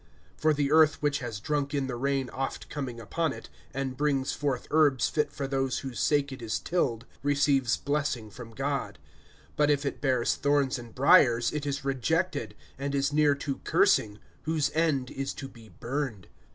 (7)For the earth which has drunk in the rain oft coming upon it, and brings forth herbs fit for those for whose sake it is tilled, receives blessing from God; (8)but if it bears thorns and briers it is rejected, and is near to cursing; whose end is to be burned.